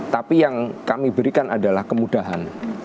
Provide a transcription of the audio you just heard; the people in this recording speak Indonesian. tapi yang kami berikan adalah kemudahan